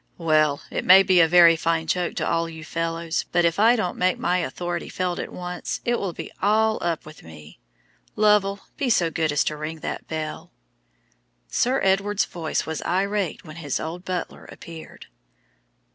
"Well, it may be a very fine joke to all you fellows, but if I don't make my authority felt at once, it will be all up with me. Lovell, be so good as to ring that bell." Sir Edward's voice was irate when his old butler appeared.